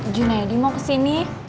junedi mau kesini